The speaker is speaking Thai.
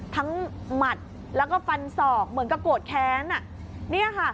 หมัดแล้วก็ฟันศอกเหมือนกับโกรธแค้นอ่ะเนี่ยค่ะ